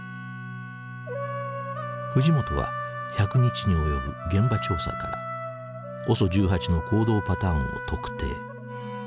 藤本は１００日に及ぶ現場調査からＯＳＯ１８の行動パターンを特定。